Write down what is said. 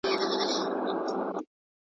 مثبت فکر ژوند نه کموي.